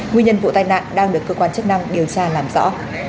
nguyên nhân vụ tai nạn đang được cơ quan chức năng điều tra làm rõ